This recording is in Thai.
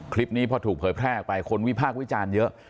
คลิปนี้พอถูกเผยแพร่ออกไปคนวิพากษ์วิจารณ์เยอะ